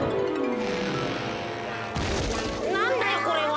なんだよこれは。